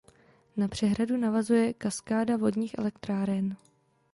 Na přehradu navazuje kaskáda vodních elektráren.